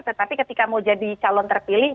tetapi ketika mau jadi calon terpilih